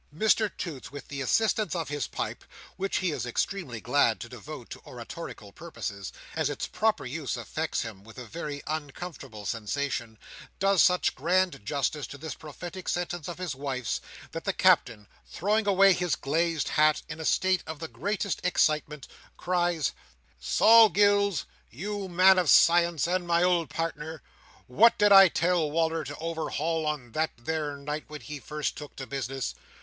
'" Mr Toots, with the assistance of his pipe—which he is extremely glad to devote to oratorical purposes, as its proper use affects him with a very uncomfortable sensation—does such grand justice to this prophetic sentence of his wife's, that the Captain, throwing away his glazed hat in a state of the greatest excitement, cries: "Sol Gills, you man of science and my ould pardner, what did I tell Wal"r to overhaul on that there night when he first took to business?